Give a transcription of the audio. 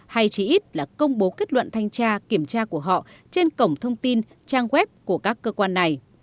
hay chỉ ít là công bố kết luận thanh tra kiểm tra của họ trên cổng thông tin trang web của các cơ quan này